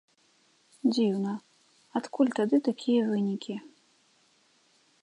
Дзіўна, адкуль тады такія вынікі!